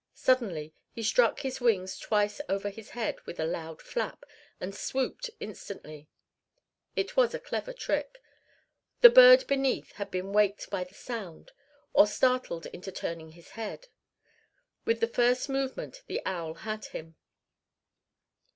Suddenly he struck his wings twice over his head with a loud flap, and swooped instantly. It was a clever trick. The bird beneath had been waked by the sound, or startled into turning his head. With the first movement the owl had him.